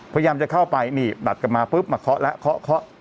พยายามจะเข้าไปนี่บัตรกลับมาปุ๊บมาเคาะแล้วเคาะเคาะ